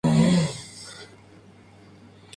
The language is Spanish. La forma roja amarilla es más reactiva.